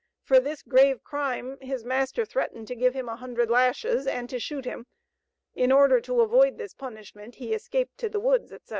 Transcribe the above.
For this grave crime his master threatened to give him a hundred lashes, and to shoot him; in order to avoid this punishment, he escaped to the woods, etc.